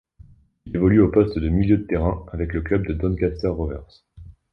Il évolue au poste de milieu de terrain avec le club de Doncaster Rovers.